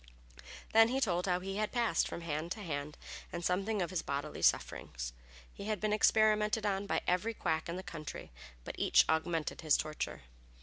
Then he told how he had passed from hand to hand and something of his bodily sufferings. He had been experimented on by every quack in the country, but each augmented his torture.